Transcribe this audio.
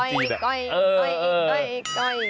อ๋อก้อยเนี่ยหรอ